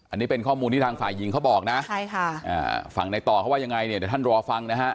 อันนี้เป็นข้อมูลที่ทางฝ่ายหญิงเขาบอกนะฝั่งในต่อเขาว่ายังไงเนี่ยเดี๋ยวท่านรอฟังนะฮะ